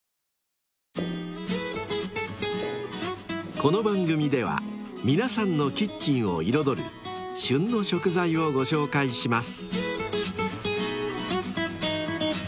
［この番組では皆さんのキッチンを彩る「旬の食材」をご紹介します］